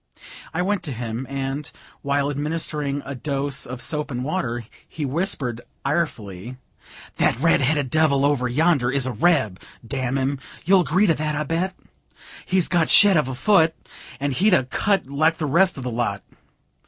I went to him, and, while administering a dose of soap and water, he whispered, irefully: "That red headed devil, over yonder, is a reb, damn him! You'll agree to that, I'll bet? He's got shet of a foot, or he'd a cut like the rest of the lot.